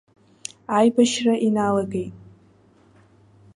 Аибашьра иналагылеит.